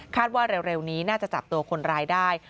ว่าเร็วนี้น่าจะจับตัวคนร้ายได้